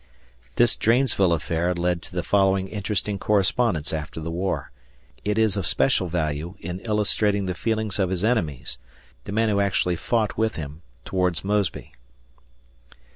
[This Dranesville affair led to the following interesting correspondence after the war. It is of special value in illustrating the feelings of his enemies the men who actually fought with him towards Mosby.